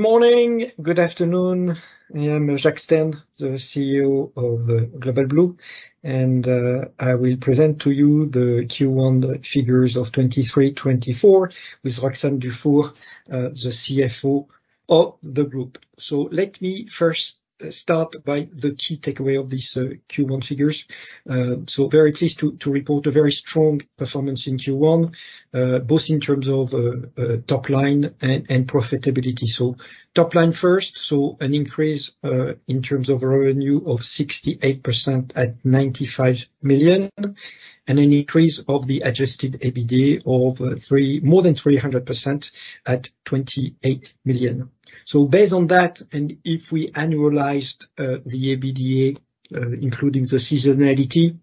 Good morning, good afternoon. I am Jacques Stern, the CEO of Global Blue, and I will present to you the Q1 figures of 2023-2024 with Roxane Dufour, the CFO of the group. Let me first start by the key takeaway of these Q1 figures. So very pleased to report a very strong performance in Q1, both in terms of top line and profitability. So top line first, so an increase in terms of revenue of 68% at 95 million, and an increase of the Adjusted EBITDA of more than 300% at 28 million. So based on that, and if we annualized the EBITDA, including the seasonality,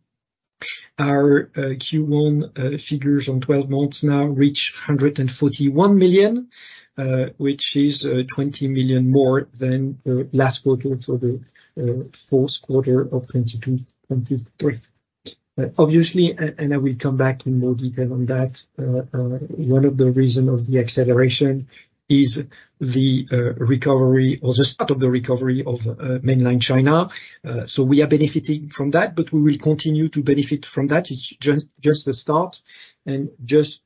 our Q1 figures on 12 months now reach 141 million, which is 20 million more than last quarter, so the fourth quarter of 2022-2023. Obviously, I will come back in more detail on that, one of the reason of the acceleration is the recovery or the start of the recovery of Mainland China. So we are benefiting from that, but we will continue to benefit from that. It's just the start. And just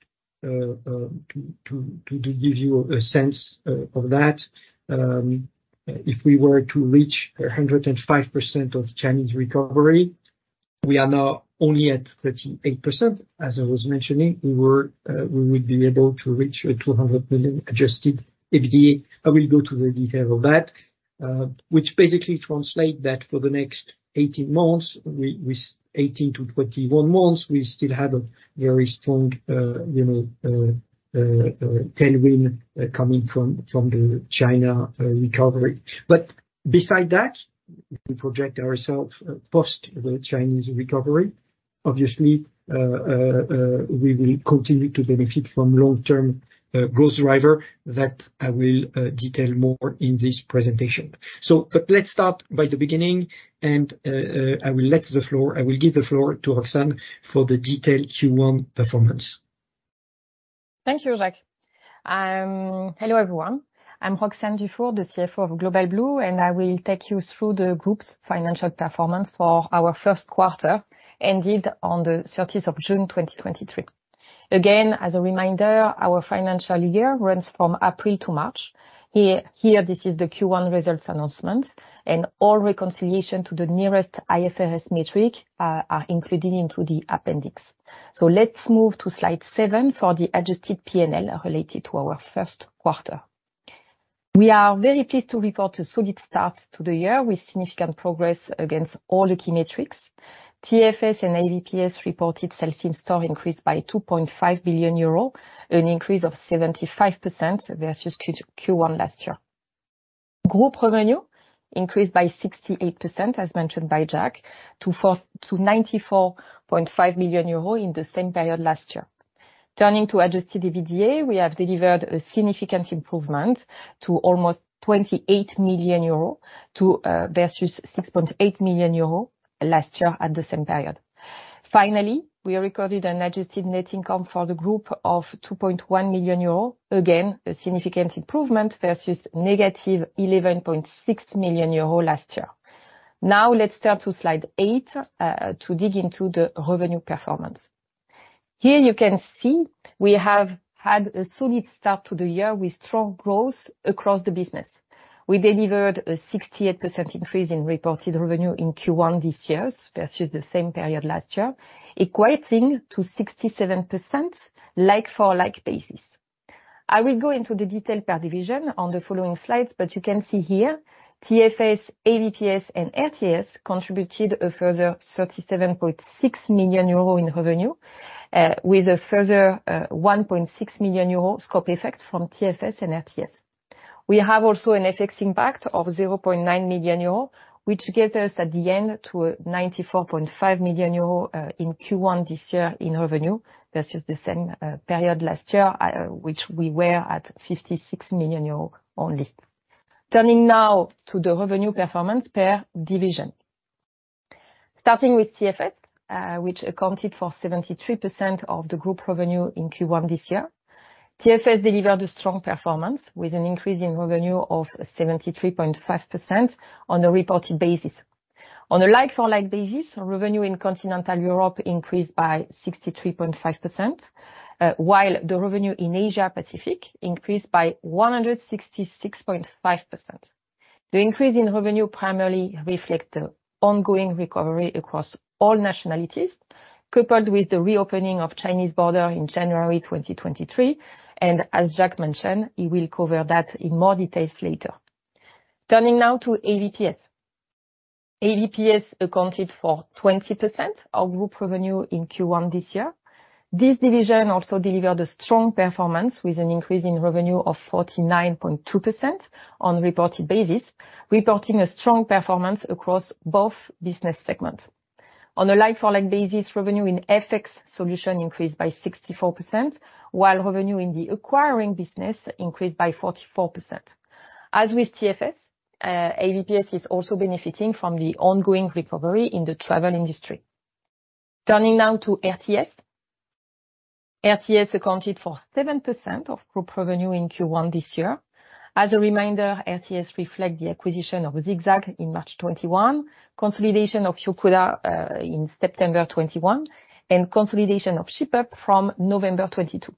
to give you a sense of that, if we were to reach 105% of Chinese recovery, we are now only at 38%. As I was mentioning, we would be able to reach 200 million Adjusted EBITDA. I will go to the detail of that, which basically translate that for the next 18 months, we 18-21 months, we still have a very strong, you know, tailwind coming from the China recovery. But beside that, we project ourselves post the Chinese recovery. Obviously, we will continue to benefit from long-term growth driver that I will detail more in this presentation. So let's start by the beginning, and I will give the floor to Roxane for the detailed Q1 performance. Thank you, Jacques. Hello, everyone. I'm Roxane Dufour, the CFO of Global Blue, and I will take you through the group's financial performance for our first quarter, ended on the 30th June 2023. Again, as a reminder, our financial year runs from April to March. This is the Q1 results announcement, and all reconciliation to the non-IFRS metric are included into the appendix. Let's move to slide seven for the adjusted P&L related to our first quarter. We are very pleased to report a solid start to the year with significant progress against all the key metrics. TFS and AVPS reported sales in store increased by 2.5 billion euro, an increase of 75% versus Q1 last year. Group revenue increased by 68%, as mentioned by Jacques, to 94.5 million euros in the same period last year. Turning to Adjusted EBITDA, we have delivered a significant improvement to almost 28 million euro versus 6.8 million euro last year in the same period. Finally, we recorded an adjusted net income for the group of 2.1 million euros. Again, a significant improvement versus -11.6 million euros last year. Now let's turn to slide eight to dig into the revenue performance. Here you can see we have had a solid start to the year with strong growth across the business. We delivered a 68% increase in reported revenue in Q1 this year versus the same period last year, equating to 67% like-for-like basis. I will go into the detail per division on the following slides, but you can see here, TFS, AVPS, and RTS contributed a further 37.6 million euro in revenue, with a further, 1.6 million euro scope effect from TFS and RTS. We have also an FX impact of 0.9 million euro, which gets us at the end to a 94.5 million euro, in Q1 this year in revenue versus the same period last year, which we were at 56 million euros only. Turning now to the revenue performance per division. Starting with TFS, which accounted for 73% of the group revenue in Q1 this year. TFS delivered a strong performance with an increase in revenue of 73.5% on a reported basis. On a like-for-like basis, revenue in Continental Europe increased by 63.5%, while the revenue in Asia Pacific increased by 166.5%. The increase in revenue primarily reflect the ongoing recovery across all nationalities, coupled with the reopening of Chinese border in January 2023, and as Jacques mentioned, he will cover that in more details later. Turning now to AVPS. AVPS accounted for 20% of group revenue in Q1 this year. This division also delivered a strong performance, with an increase in revenue of 49.2% on a reported basis, reporting a strong performance across both business segments. On a like-for-like basis, revenue in FX Solutions increased by 64%, while revenue in the acquiring business increased by 44%. As with TFS, AVPS is also benefiting from the ongoing recovery in the travel industry. Turning now to RTS. RTS accounted for 7% of group revenue in Q1 this year. As a reminder, RTS reflect the acquisition of ZigZag in March 2021, consolidation of Yocuda in September 2021, and consolidation of Shipup from November 2022.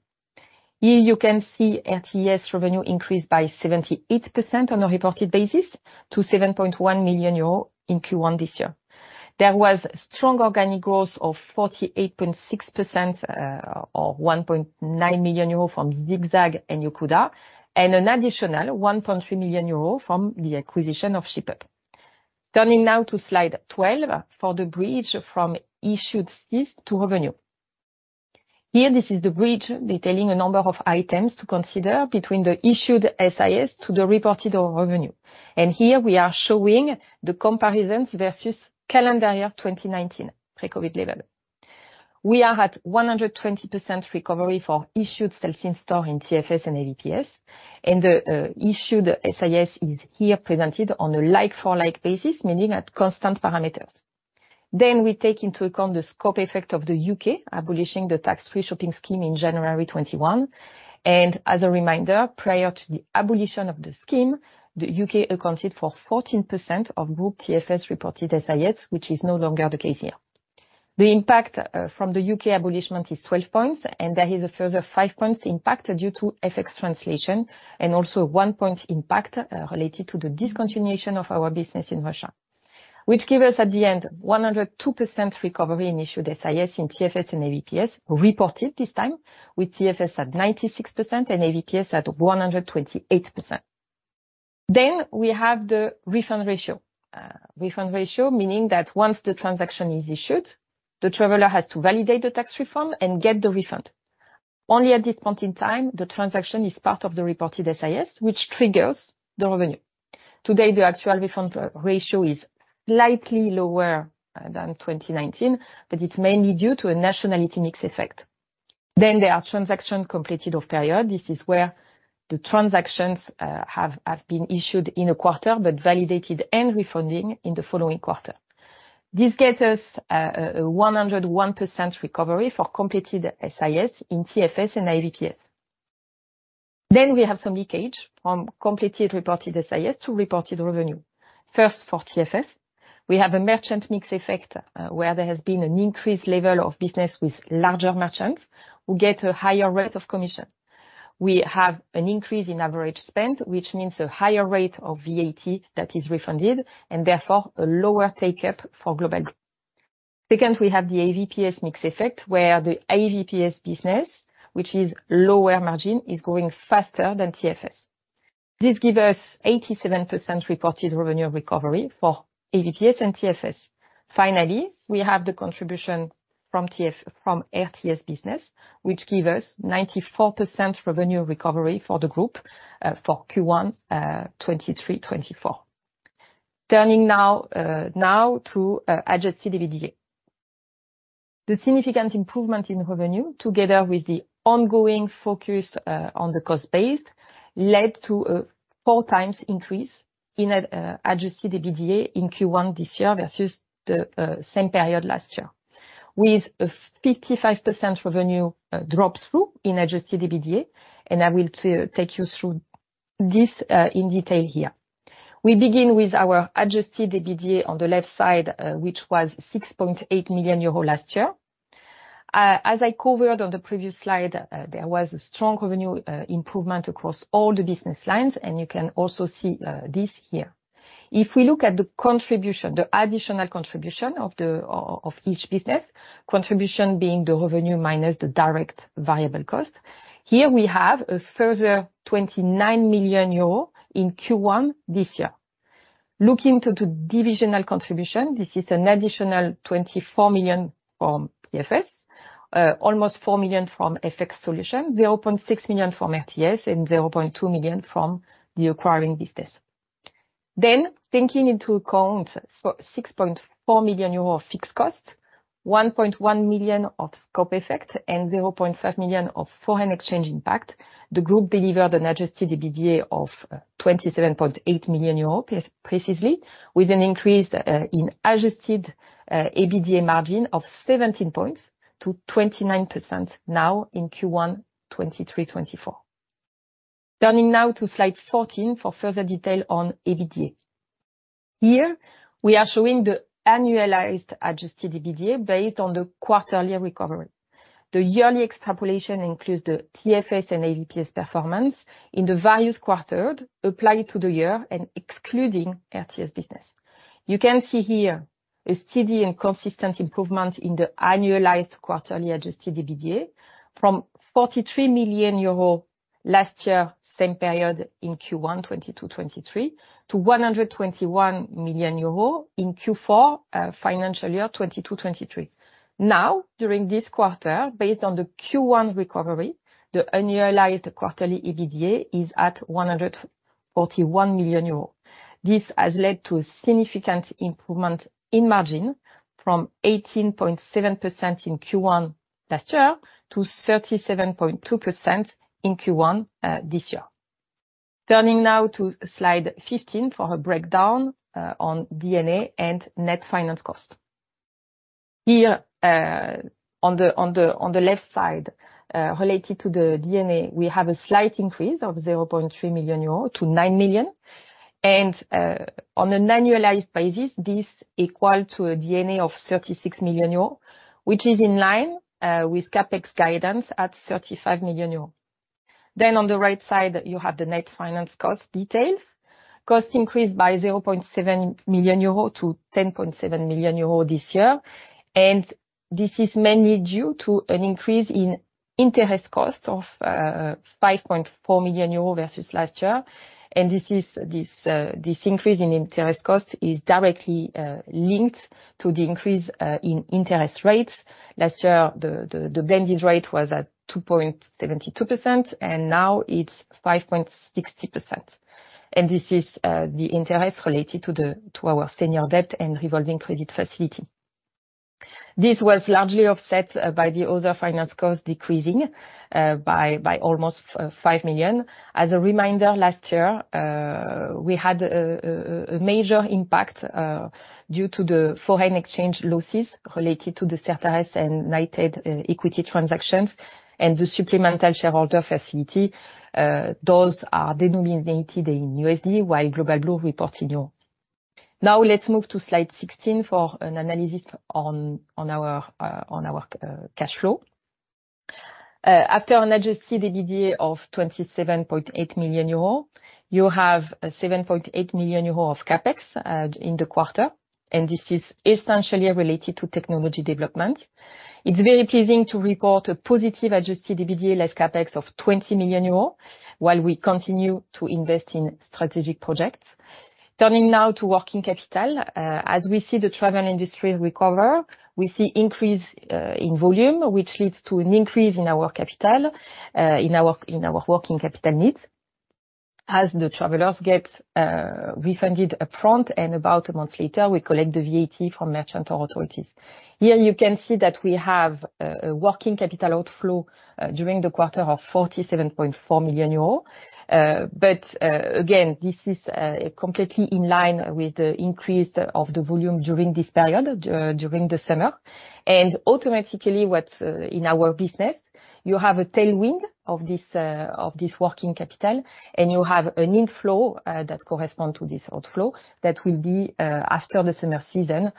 Here you can see RTS revenue increased by 78% on a reported basis to 7.1 million euro in Q1 this year. There was strong organic growth of 48.6%, or 1.9 million euros from ZigZag and Yocuda, and an additional 1.3 million euros from the acquisition of Shipup. Turning now to slide 12 for the bridge from issued SIS to revenue. Here, this is the bridge detailing a number of items to consider between the issued SIS to the reported revenue, and here we are showing the comparisons versus calendar year 2019, pre-COVID level. We are at 100% recovery for issued sales in store in TFS and AVPS, and the issued SIS is here presented on a like for like basis, meaning at constant parameters. Then we take into account the scope effect of the U.K. abolishing the tax-free shopping scheme in January 2021. As a reminder, prior to the abolition of the scheme, the U.K. accounted for 14% of group TFS reported SIS, which is no longer the case here. The impact from the U.K. abolishment is 12 points, and there is a further five points impact due to FX translation, and also one point impact related to the discontinuation of our business in Russia, which give us, at the end, 102% recovery in issued SIS in TFS and AVPS, reported this time, with TFS at 96% and AVPS at 128%. Then we have the refund ratio. Refund ratio, meaning that once the transaction is issued, the traveler has to validate the tax refund and get the refund. Only at this point in time, the transaction is part of the reported SIS, which triggers the revenue. Today, the actual refund ratio is slightly lower than 2019, but it's mainly due to a nationality mix effect. Then there are transactions completed off period. This is where the transactions have been issued in a quarter, but validated and refunding in the following quarter. This gets us a 101% recovery for completed SIS in TFS and AVPS. Then we have some leakage from completed reported SIS to reported revenue. First, for TFS, we have a merchant mix effect, where there has been an increased level of business with larger merchants who get a higher rate of commission. We have an increase in average spend, which means a higher rate of VAT that is refunded, and therefore a lower take-up for Global Blue. Second, we have the AVPS mix effect, where the AVPS business, which is lower margin, is growing faster than TFS. This give us 87% reported revenue recovery for AVPS and TFS. Finally, we have the contribution from TFS from RTS business, which give us 94% revenue recovery for the group, for Q1 2023-2024. Turning now to Adjusted EBITDA. The significant improvement in revenue, together with the ongoing focus on the cost base, led to a 4x increase in Adjusted EBITDA in Q1 this year versus the same period last year, with a 55% revenue drop-through in Adjusted EBITDA, and I will take you through this in detail here. We begin with our Adjusted EBITDA on the left side, which was 6.8 million euro last year. As I covered on the previous slide, there was a strong revenue improvement across all the business lines, and you can also see this here. If we look at the contribution, the additional contribution of the of each business, contribution being the revenue minus the direct variable cost, here we have a further 29 million euro in Q1 this year. Looking to the divisional contribution, this is an additional 24 million from TFS, almost 4 million from FX Solutions, 0.6 million from RTS, and 0.2 million from the acquiring business. Then, taking into account 6.4 million euro of fixed costs, 1.1 million of scope effect, and 0.5 million of foreign exchange impact, the group delivered an Adjusted EBITDA of 27.8 million euros, precisely, with an increase in Adjusted EBITDA margin of 17 points to 29% now in Q1 2023-2024. Turning now to slide 14 for further detail on EBITDA. Here, we are showing the annualized Adjusted EBITDA based on the quarterly recovery. The yearly extrapolation includes the TFS and AVPS performance in the various quarters applied to the year and excluding RTS business. You can see here a steady and consistent improvement in the annualized quarterly adjusted EBITDA from 43 million euro last year, same period in Q1 2022-2023, to 121 million euro in Q4 financial year 2022-2023. Now, during this quarter, based on the Q1 recovery, the annualized quarterly EBITDA is at 141 million euros. This has led to a significant improvement in margin from 18.7% in Q1 last year to 37.2% in Q1 this year. Turning now to Slide 15 for a breakdown on D&A and net finance cost. Here, on the left side, related to the D&A, we have a slight increase of 0.3 million euro to 9 million. On an annualized basis, this equal to a D&A of 36 million euro, which is in line with CapEx guidance at 35 million euro. Then on the right side, you have the net finance cost details. Cost increased by 0.7 million euro to 10.7 million euro this year, and this is mainly due to an increase in interest cost of 5.4 million euro versus last year. And this increase in interest cost is directly linked to the increase in interest rates. Last year, the blended rate was at 2.72%, and now it's 5.60%. This is the interest related to our senior debt and revolving credit facility. This was largely offset by the other finance costs decreasing by almost 5 million. As a reminder, last year, we had a major impact due to the foreign exchange losses related to the Certares and Knighthead equity transactions and the supplemental shareholder facility. Those are denominated in USD, while Global Blue reports in euro. Now, let's move to Slide 16 for an analysis on our cash flow. After an Adjusted EBITDA of 27.8 million euros, you have 7.8 million euros of CapEx in the quarter, and this is essentially related to technology development. It's very pleasing to report a positive Adjusted EBITDA less CapEx of 20 million euros, while we continue to invest in strategic projects. Turning now to working capital. As we see the travel industry recover, we see increase in volume, which leads to an increase in our capital, in our working capital needs. As the travelers get refunded upfront, and about a month later, we collect the VAT from merchant or authorities. Here you can see that we have a working capital outflow during the quarter of 47.4 million euros. But again, this is completely in line with the increase of the volume during this period, during the summer. Automatically, what's in our business, you have a tailwind of this of this working capital, and you have an inflow that correspond to this outflow that will be after the summer season.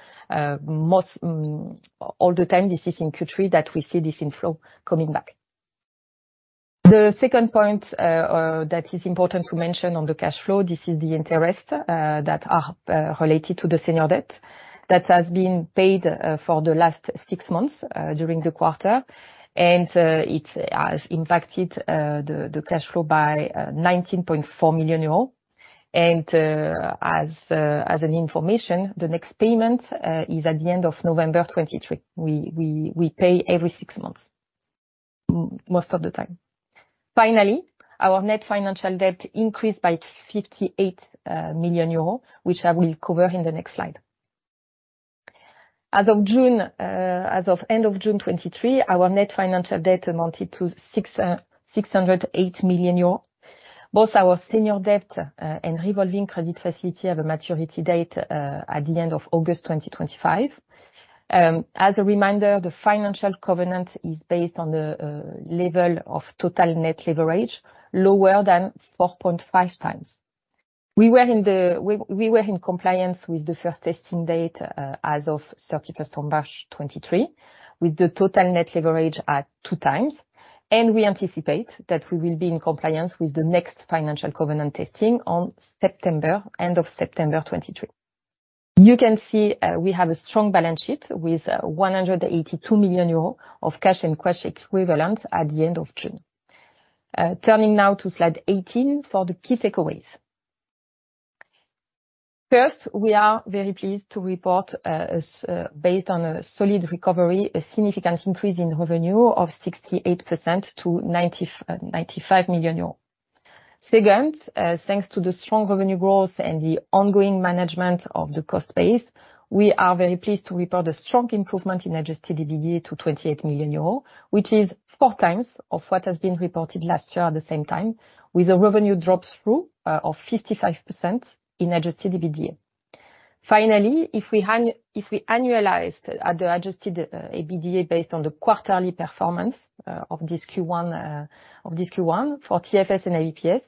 Most all the time, this is in Q3, that we see this inflow coming back. The second point that is important to mention on the cash flow, this is the interest that are related to the senior debt that has been paid for the last six months during the quarter. It has impacted the cash flow by 19.4 million euros. As an information, the next payment is at the end of November 2023. We pay every six months, most of the time. Finally, our net financial debt increased by 58 million euros, which I will cover in the next slide. As of end of June 2023, our net financial debt amounted to 608 million euros. Both our senior debt and revolving credit facility have a maturity date at the end of August 2025. As a reminder, the financial covenant is based on the level of total net leverage lower than 4.5x. We were in compliance with the first testing date as of 31st March 2023, with the total net leverage at 2x, and we anticipate that we will be in compliance with the next financial covenant testing on end of September 2023. You can see, we have a strong balance sheet with 182 million euros of cash-and-cash equivalents at the end of June. Turning now to Slide 18 for the key takeaways. First, we are very pleased to report, based on a solid recovery, a significant increase in revenue of 68% to 95 million euros. Second, thanks to the strong revenue growth and the ongoing management of the cost base, we are very pleased to report a strong improvement in Adjusted EBITDA to 28 million euros, which is 4x of what has been reported last year at the same time, with a revenue drop-through of 55% in Adjusted EBITDA. Finally, if we annualized the Adjusted EBITDA based on the quarterly performance of this Q1 for TFS and AVPS,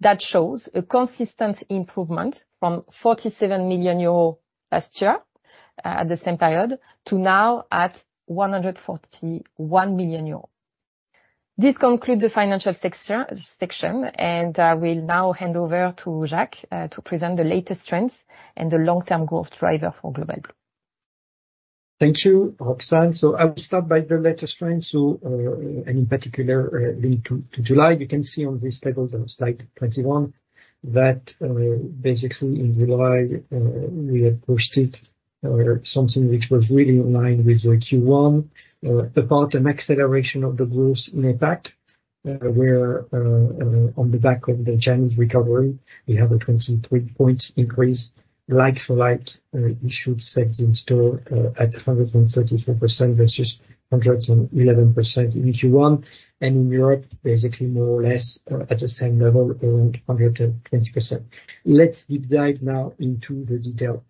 that shows a consistent improvement from 47 million euros last year at the same period to now at 141 million euros. This conclude the financial section, and I will now hand over to Jacques to present the latest trends and the long-term growth driver for Global Blue. Thank you, Roxane. So I will start by the latest trend. So, and in particular, related to, to July. You can see on this table, the slide 21, that, basically in July, we approached something which was really in line with, Q1, about an acceleration of the growth in APAC, where, on the back of the Chinese recovery, we have a 23-point increase like for like, SIS in store, at 134% versus 111% in Q1, and in Europe, basically more or less, at the same level, around 120%. Let's deep dive now into the detail.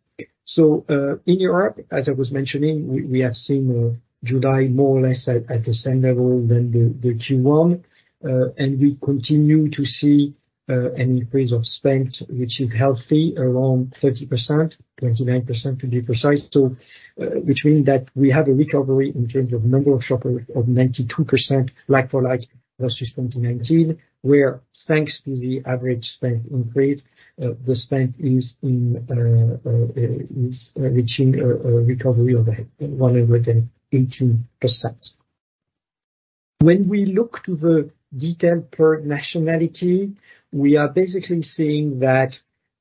So, in Europe, as I was mentioning, we, we have seen, July more or less at, at the same level than the, the Q1. We continue to see an increase of spend, which is healthy, around 30%, 29% to be precise. Between that, we have a recovery in terms of number of shoppers of 92% like-for-like versus 2019, where thanks to the average spend increase, the spend is reaching a recovery of 118%. When we look to the detail per nationality, we are basically seeing that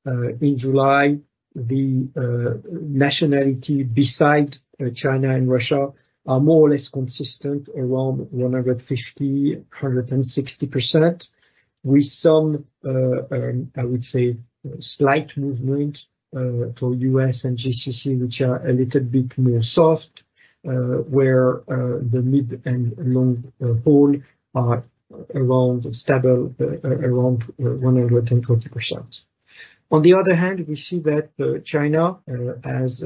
in July, the nationality beside China and Russia are more or less consistent, around 150-160%. With some, I would say, slight movement for U.S. and GCC, which are a little bit more soft, where the mid- and long-haul are around stable, around 120%. On the other hand, we see that China has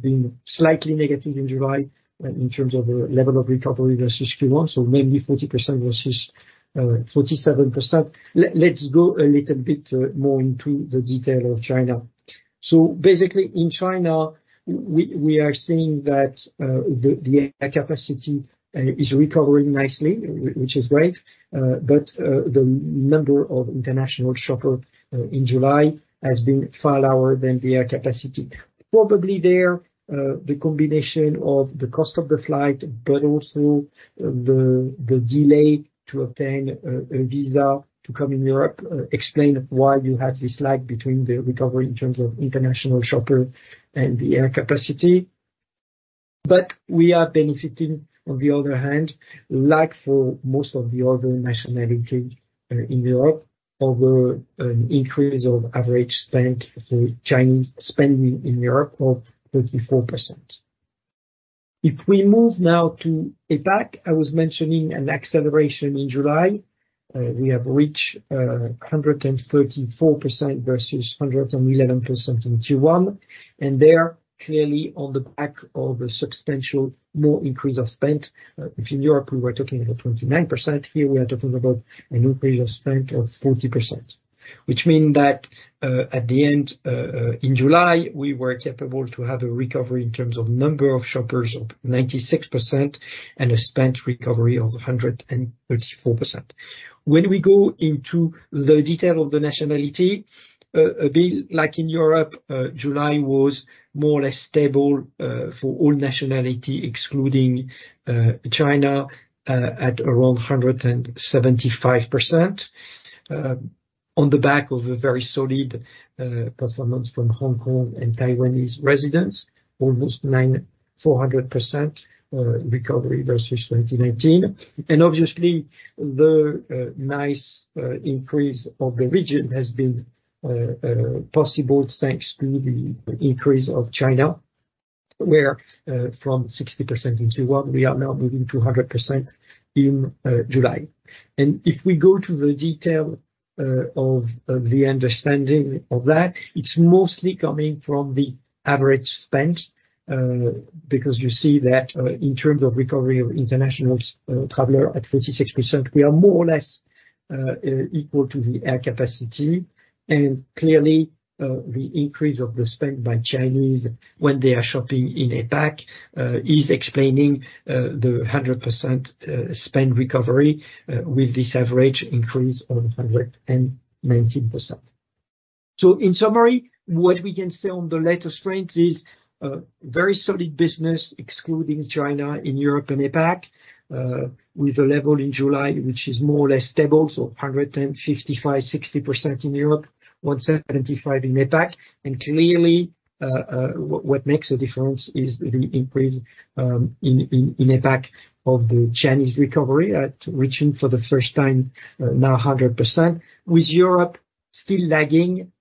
been slightly negative in July, in terms of the level of recovery versus Q1, so mainly 40% versus 47%. Let's go a little bit more into the detail of China. So basically, in China, we are seeing that the air capacity is recovering nicely, which is great. But the number of international shoppers in July has been far lower than the air capacity. Probably there, the combination of the cost of the flight, but also the delay to obtain a visa to come in Europe explain why you have this lag between the recovery in terms of international shopper and the air capacity. But we are benefiting, on the other hand, like for most of the other nationality, in Europe, over an increase of average spend for Chinese spending in Europe of 34%. If we move now to APAC, I was mentioning an acceleration in July. We have reached, 134% versus 111% in Q1, and there, clearly on the back of a substantial more increase of spend. If in Europe, we were talking about 29%, here, we are talking about an increase of spend of 40%, which mean that, at the end, in July, we were capable to have a recovery in terms of number of shoppers of 96% and a spend recovery of 134%. When we go into the detail of the nationality, a bit like in Europe, July was more or less stable for all nationality, excluding China, at around 175%, on the back of a very solid performance from Hong Kong and Taiwanese residents, almost 400% recovery versus 2019. And obviously, the nice increase of the region has been possible thanks to the increase of China, where from 60% in Q1, we are now moving to 100% in July. And if we go to the detail of the understanding of that, it's mostly coming from the average spend, because you see that in terms of recovery of international traveler at 36%, we are more or less equal to the air capacity. And clearly, the increase of the spend by Chinese when they are shopping in APAC is explaining the 100% spend recovery with this average increase of 119%. So in summary, what we can say on the latest strength is very solid business, excluding China in Europe and APAC, with a level in July, which is more or less stable, so 155-60% in Europe, 175 in APAC. And clearly, what makes a difference is the increase in APAC of the Chinese recovery at reaching for the first time now 100%, with Europe still lagging,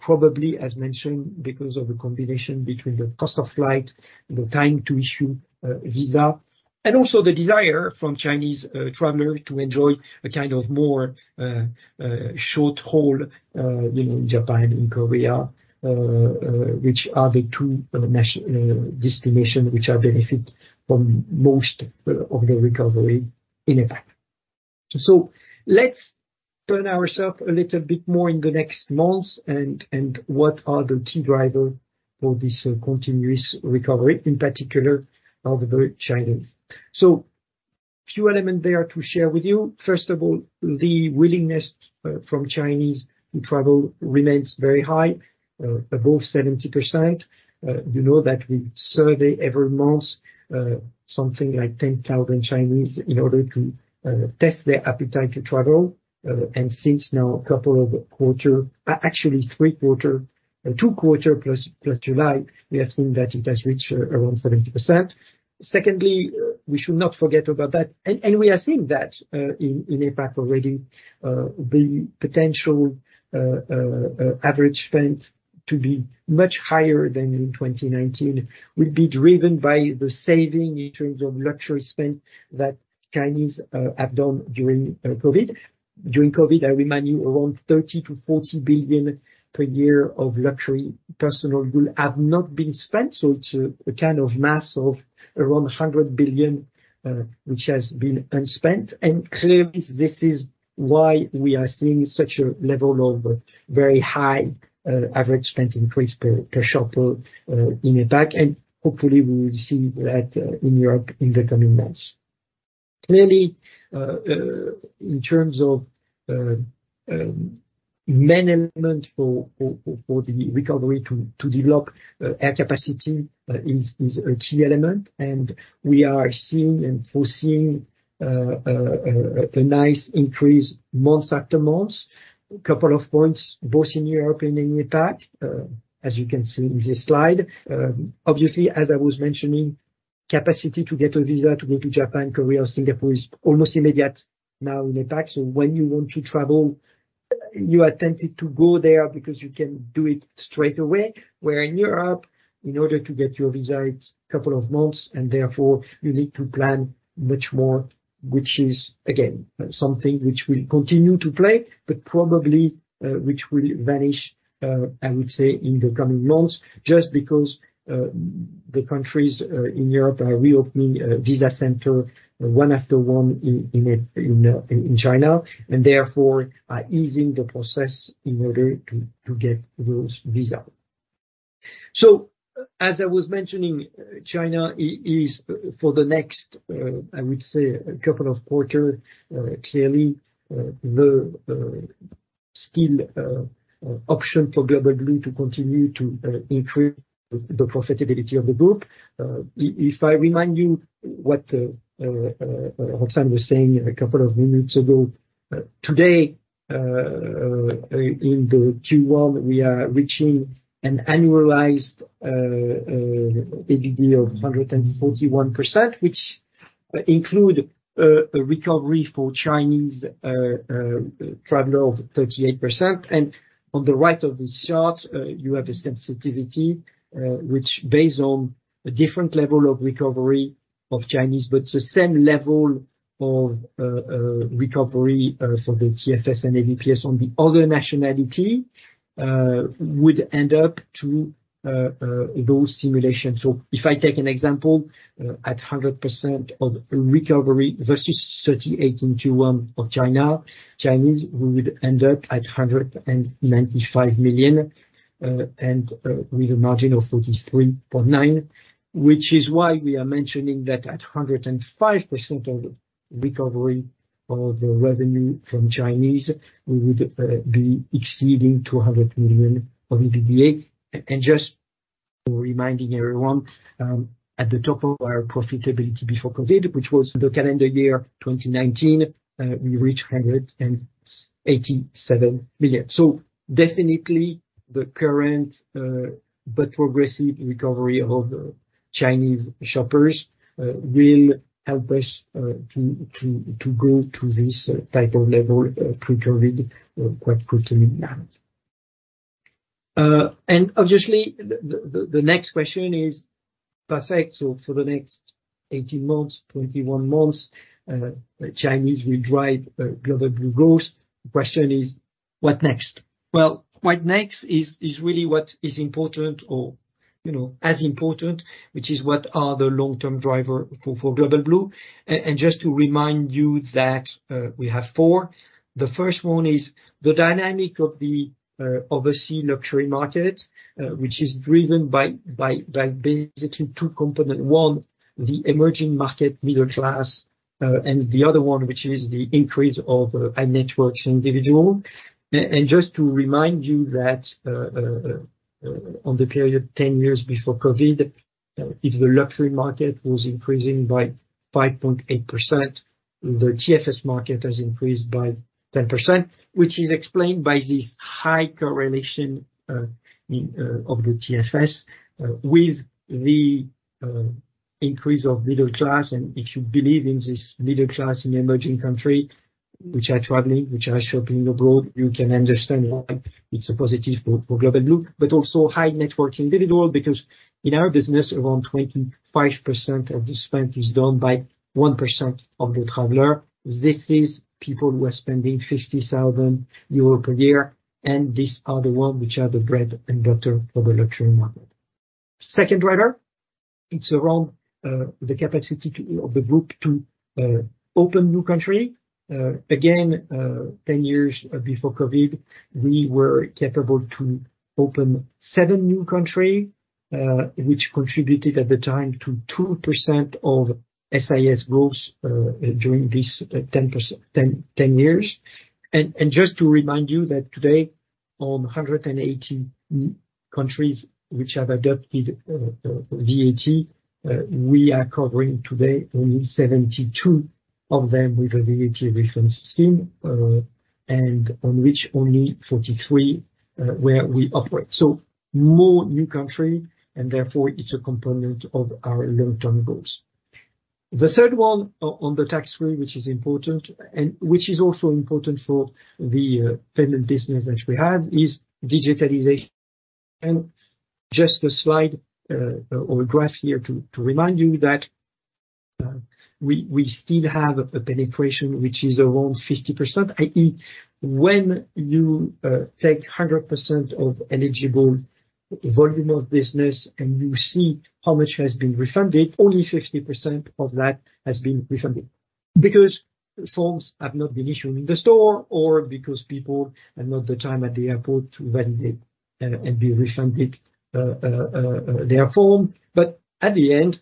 probably, as mentioned, because of a combination between the cost of flight, the time to issue a visa, and also the desire from Chinese travelers to enjoy a kind of more short haul, you know, in Japan and Korea, which are the two destination which are benefit from most of the recovery in APAC. So let's turn ourselves a little bit more in the next months, and what are the key drivers for this continuous recovery, in particular of the Chinese? So few elements there to share with you. First of all, the willingness from Chinese to travel remains very high, above 70%. You know that we survey every month something like 10,000 Chinese in order to test their appetite to travel. And since now, 1/4, actually 3/4, actually 2/4 plus July, we have seen that it has reached around 70%. Secondly, we should not forget about that, and we are seeing that in APAC already the potential average spend to be much higher than in 2019 will be driven by the saving in terms of luxury spend that Chinese have done during COVID. During Covid, I remind you, around 30-40 billion per year of luxury personal good have not been spent, so it's a kind of mass of around 100 billion, which has been unspent. And clearly, this is why we are seeing such a level of very high, average spend increase per shopper, in APAC, and hopefully we will see that, in Europe in the coming months. Clearly, in terms of management for the recovery to develop, air capacity, is a key element, and we are seeing and foreseeing, a nice increase month after month. Couple of points, both in Europe and in APAC, as you can see in this slide. Obviously, as I was mentioning, capacity to get a visa to go to Japan, Korea, or Singapore is almost immediate now in APAC. So when you want to travel, you are tempted to go there because you can do it straight away. Where in Europe, in order to get your visa, it's couple of months, and therefore, you need to plan much more, which is, again, something which will continue to play, but probably, which will vanish, I would say, in the coming months, just because the countries in Europe are reopening visa center one after one in China, and therefore, are easing the process in order to get those visa. So as I was mentioning, China is for the next, I would say, a couple of quarter, clearly, the still option for Global Blue to continue to increase the profitability of the group. If I remind you what Roxane was saying a couple of minutes ago, today in the Q1, we are reaching an annualized EBITDA of 141%, which include a recovery for Chinese traveler of 38%. On the right of this chart, you have a sensitivity which based on a different level of recovery of Chinese, but the same level of recovery for the TFS and AVPS on the other nationality would end up to those simulations. So if I take an example, at 100% of recovery versus 38 in Q1 of China, Chinese would end up at 195 million, and, with a margin of 43.9%, which is why we are mentioning that at 105% of recovery of the revenue from Chinese, we would be exceeding 200 million of EBITDA. And, just reminding everyone, at the top of our profitability before COVID, which was the calendar year 2019, we reached 187 million. So definitely the current, but progressive recovery of the Chinese shoppers, will help us, to, to, to go to this type of level, pre-COVID, quite quickly now. And obviously, the next question is: perfect, so for the next 18 months, 21 months, the Chinese will drive Global Blue growth. The question is, what next? Well, what next is really what is important or, you know, as important, which is what are the long-term driver for Global Blue. And just to remind you that we have four. The first one is the dynamic of the overseas luxury market, which is driven by basically two component. One, the emerging market middle class, and the other one, which is the increase of high net worth individual. Just to remind you that, on the period 10 years before Covid, if the luxury market was increasing by 5.8%, the TFS market has increased by 10%, which is explained by this high correlation of the TFS with the increase of middle class. And if you believe in this middle class in emerging country, which are traveling, which are shopping abroad, you can understand why it's a positive for Global Blue, but also high net worth individual, because in our business, around 25% of the spend is done by 1% of the traveler. This is people who are spending 50,000 euro per year, and these are the ones which are the bread and butter for the luxury market. Second driver, it's around the capacity to... of the group to open new country. Again, 10 years before COVID, we were capable to open seven new country, which contributed at the time to 2% of SIS growth during this 10 years. And just to remind you that today, 180 countries which have adopted VAT we are covering today only 72 of them with a VAT refund system, and on which only 43 where we operate. So more new country, and therefore, it's a component of our long-term goals. The third one on the tax-free, which is important, and which is also important for the payment business that we have, is digitalization. And just a slide, or a graph here to remind you that we still have a penetration which is around 50%, i.e., when you take 100% of eligible volume of business and you see how much has been refunded, only 50% of that has been refunded. Because forms have not been issued in the store or because people have not the time at the airport to validate and be refunded their form. But at the end,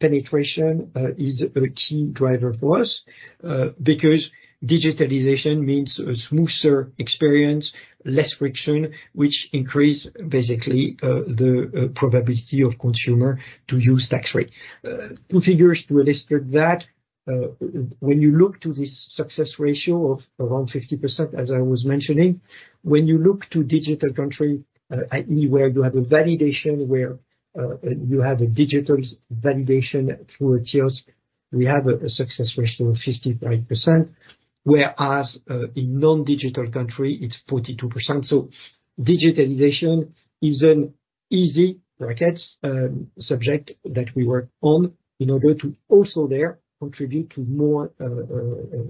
penetration is a key driver for us because digitalization means a smoother experience, less friction, which increase basically the probability of consumer to use tax-free. Two figures to illustrate that, when you look to this success ratio of around 50%, as I was mentioning, when you look to digital country, i.e., where you have a validation, where you have a digital validation through a kiosk, we have a success ratio of 55%, whereas in non-digital country, it's 42%. So digitalization is an easy brackets subject that we work on in order to also there contribute to more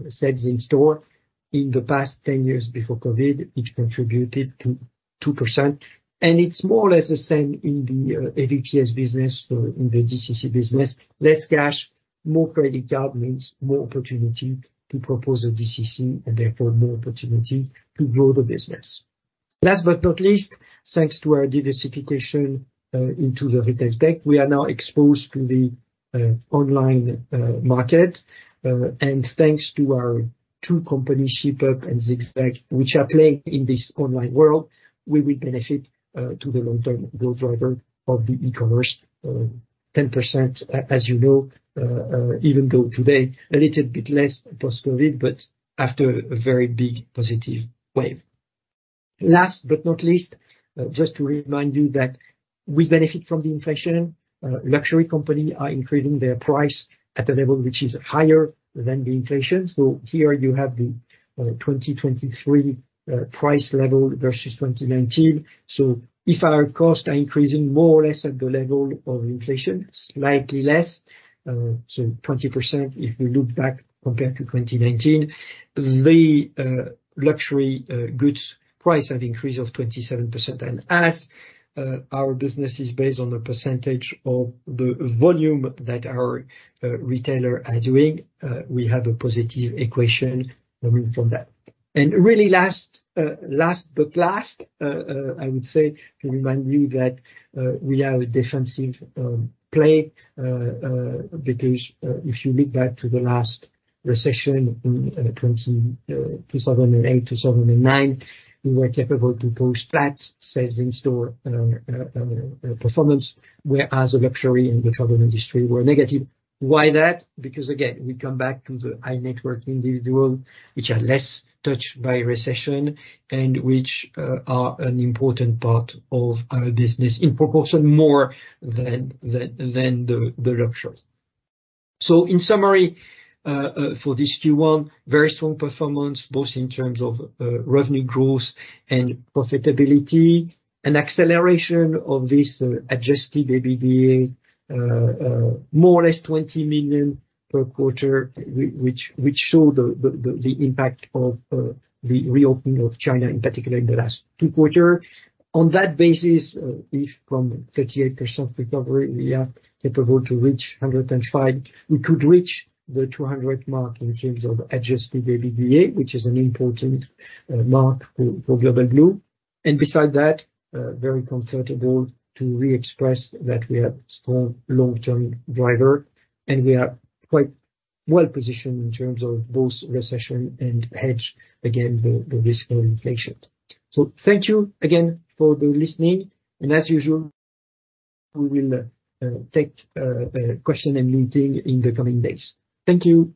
sales in store. In the past 10 years before COVID, it contributed to 2%, and it's more or less the same in the AVPS business in the DCC business. Less cash, more credit card means more opportunity to propose a DCC, and therefore more opportunity to grow the business. Last but not least, thanks to our diversification into the retail tech, we are now exposed to the online market, and thanks to our two company, Shipup and ZigZag, which are playing in this online world, we will benefit to the long-term growth driver of the e-commerce 10% as you know, even though today a little bit less post-COVID, but after a very big positive wave. Last but not least, just to remind you that we benefit from the inflation. Luxury company are increasing their price at a level which is higher than the inflation. So here you have the 2023 price level versus 2019. So if our costs are increasing more or less at the level of inflation, slightly less, so 20%, if you look back compared to 2019, the luxury goods price have increased of 27%. And as our business is based on a percentage of the volume that our retailer are doing, we have a positive equation from that. And really last, last, but last, I would say to remind you that we are a defensive play because if you look back to the last recession in 2008, 2009, we were capable to post that sales in store performance, whereas a luxury in the travel industry were negative. Why that? Because, again, we come back to the high net worth individual, which are less touched by recession, and which are an important part of our business in proportion more than the luxury. So in summary, for this Q1, very strong performance, both in terms of revenue growth and profitability. An acceleration of this Adjusted EBITDA, more or less 20 million per quarter, which shows the impact of the reopening of China, in particular in the last two quarters. On that basis, if from 38% recovery, we are capable to reach 105, we could reach the 200 mark in terms of Adjusted EBITDA, which is an important mark for Global Blue. Besides that, very comfortable to re-express that we have strong long-term driver, and we are quite well positioned in terms of both recession and hedge against the risk of inflation. So thank you again for the listening, and as usual, we will take question and meeting in the coming days. Thank you.